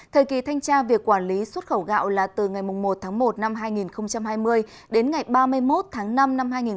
thời kỳ thanh tra việc quản lý xuất khẩu gạo là từ ngày một tháng một năm hai nghìn hai mươi đến ngày ba mươi một tháng năm năm hai nghìn hai mươi